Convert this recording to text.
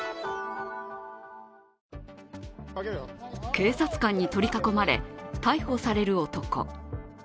警察官に取り囲まれ、逮捕される男。